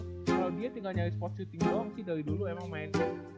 kalau dia tinggal nyari sports syuting doang sih dari dulu emang mainnya